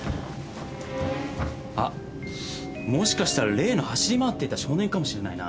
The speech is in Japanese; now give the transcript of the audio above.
あっもしかしたら例の走り回っていた少年かもしれないな。